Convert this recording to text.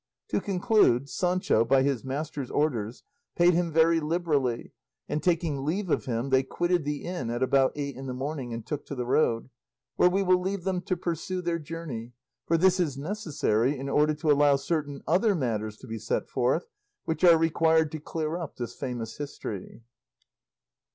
To conclude, Sancho, by his master's orders, paid him very liberally, and taking leave of him they quitted the inn at about eight in the morning and took to the road, where we will leave them to pursue their journey, for this is necessary in order to allow certain other matters to be set forth, which are required to clear up this famous history.